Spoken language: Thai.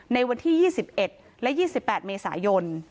ในวันที่๒๑และ๒๘เมษายน